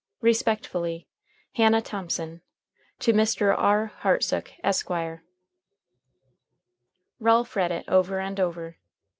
Respectfully, "HANNAH THOMSON. "To MR. R. HARTSOOK, ESQ." Ralph read it over and over.